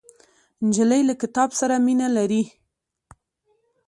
نجلۍ له کتاب سره مینه لري.